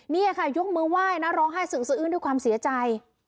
นี่ค่ะยกมือไหว้นะร้องไห้สึกสะอื้นด้วยความเสียใจ